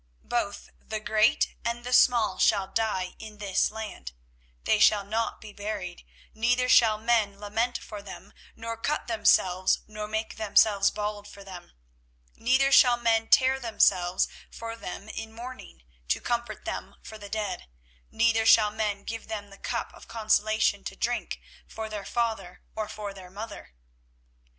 24:016:006 Both the great and the small shall die in this land: they shall not be buried, neither shall men lament for them, nor cut themselves, nor make themselves bald for them: 24:016:007 Neither shall men tear themselves for them in mourning, to comfort them for the dead; neither shall men give them the cup of consolation to drink for their father or for their mother.